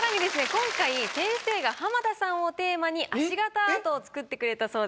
今回先生が浜田さんをテーマに足形アートを作ってくれたそうです。